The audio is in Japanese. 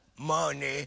まあね。